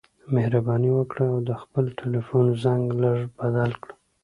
مهرباني وکړه او د خپل ټیلیفون زنګ لږ بدل کړه.